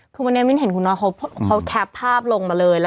คือวันนี้มิ้นเห็นคุณน้อยเขาแคปภาพลงมาเลย